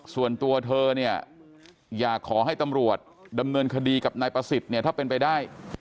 ส่วนตัวเธอเนี่ยอยากขอให้ตำรวจดำเนินคดีกับนายประสิทธิ์เนี่ยถ้าเป็นไปได้